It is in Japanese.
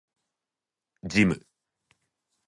ジム